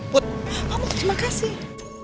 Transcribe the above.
put kamu terima kasih